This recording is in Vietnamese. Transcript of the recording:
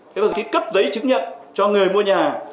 thế và cái cấp giấy chứng nhận cho người mua nhà